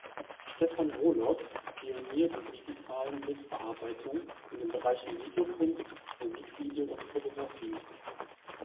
Stefan Roloff ist Pionier der digitalen Bildbearbeitung in den Bereichen Videokunst, Musikvideo und Fotografie.